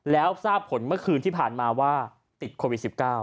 แล้วทราบผลเมื่อคืนที่ผ่านมาว่าติดโควิด๑๙